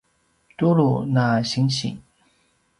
tulu na sinsi